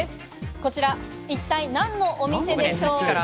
こちら一体何のお店でしょうか。